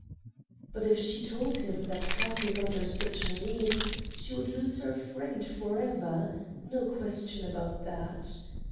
But if she told him that Karslake understood Chinese she would lose her friend forever—no question about that.